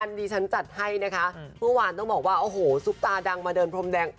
ทางดีชั้นจัดให้นะคะเมื่อวานต้องบอกว่าสุฟฟ้าดังมาเดินพรมแดง